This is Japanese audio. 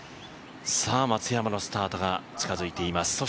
さあ、松山のスタートが近づいています。